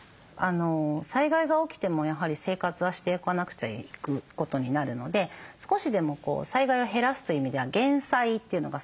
災害が起きてもやはり生活はしていかなくちゃいくことになるので少しでも災害を減らすという意味では減災というのがすごく大事です。